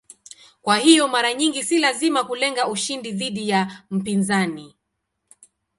Kwa hiyo mara nyingi si lazima kulenga ushindi dhidi ya mpinzani.